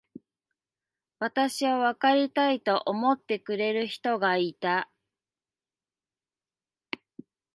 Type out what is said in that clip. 私をわかりたいと思ってくれる人がいた。